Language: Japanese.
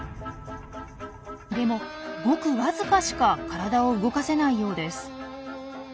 でもごくわずかしか体を動かせないようです。